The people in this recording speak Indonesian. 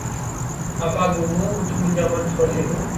apa agunanmu untuk pinjaman sebanyak itu?